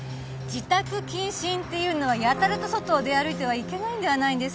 自宅謹慎っていうのはやたらと外を出歩いてはいけないんではないんですか？